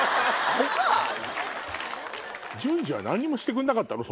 淳二は何もしてくれなかったの？